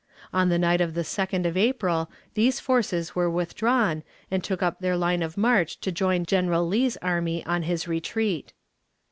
On the night of the 2d of April these forces were withdrawn, and took up their line of march to join General Lee's army on its retreat.